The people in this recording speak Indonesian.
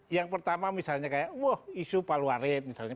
yang pertama misalnya kayak wah isu paluarit misalnya